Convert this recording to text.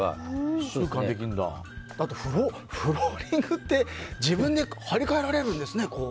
あと、フローリングって自分で張り替えられるんですね。